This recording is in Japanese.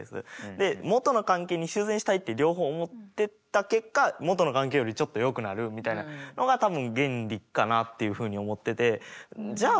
で元の関係に修繕したいって両方思ってた結果元の関係よりちょっとよくなるみたいなのが多分原理かなっていうふうに思っててじゃあ